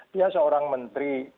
dia seorang menteri